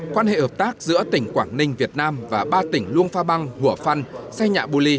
quan hệ hợp tác giữa tỉnh quảng ninh việt nam và ba tỉnh luông pha băng hủa phăn sai nhạ bù lì